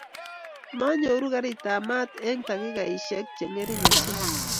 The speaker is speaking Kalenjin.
Manyoru karitab mat eng takikaishek chengering ochei